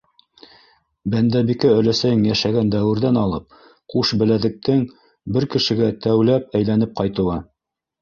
- Бәндәбикә өләсәйең йәшәгән дәүерҙән алып ҡуш беләҙектең бер кешегә тәүләп әйләнеп ҡайтыуы.